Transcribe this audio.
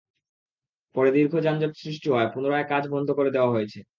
পরে দীর্ঘ যানজট সৃষ্টি হওয়ায় পুনরায় কাজ বন্ধ করে দেওয়া হয়েছে।